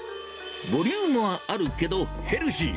ボリュームはあるけどヘルシー。